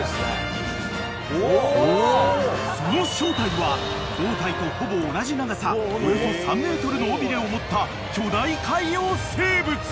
［その正体は胴体とほぼ同じ長さおよそ３ｍの尾びれを持った巨大海洋生物］